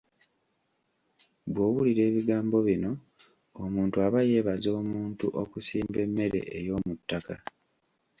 "Bw’owulira ebigambo bino, omuntu aba yeebaza omuntu okusimba emmere ey’omuttaka."